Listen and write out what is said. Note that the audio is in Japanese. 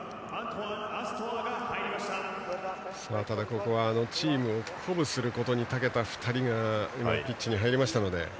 ただ、ここはチームを鼓舞することに長けた２人がピッチに入りましたので。